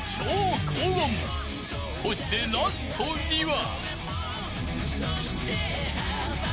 ［そしてラストには］